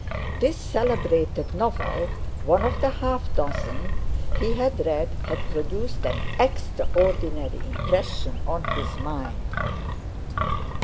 This celebrated novel—one of the half dozen he had read—had produced an extraordinary impression on his mind.